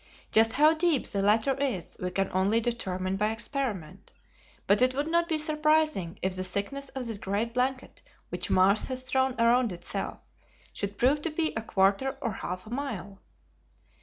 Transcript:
Just how deep the latter is we can only determine by experiment, but it would not be surprising if the thickness of this great blanket which Mars has thrown around itself should prove to be a quarter or half a mile."